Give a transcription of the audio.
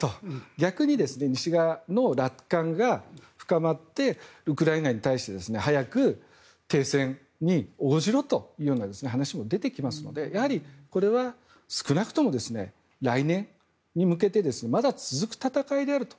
逆に西側の楽観が深まってウクライナに対して、早く停戦に応じろというような話も出てきますのでこれは少なくとも来年に向けてまだ続く戦いであると。